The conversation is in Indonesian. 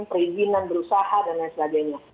perizinan berusaha dan lain sebagainya